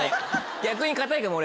逆に堅いかも俺。